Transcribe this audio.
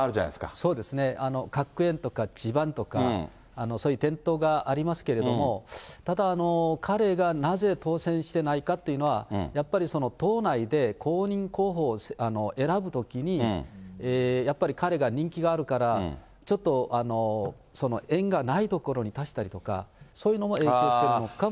そうですね。とか地盤とか、そういう伝統がありますけれども、ただ、彼がなぜ当選してないかっていうのは、やっぱり党内で公認候補を選ぶときに、やっぱり彼が人気があるから、ちょっと縁がないところに出したりとか、そういうのも影響してるのかもしれません。